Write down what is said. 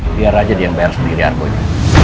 biar aja dia yang bayar sendiri argo nya